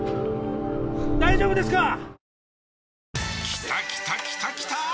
きたきたきたきたー！